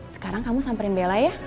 sekarang kamu samperin bela ya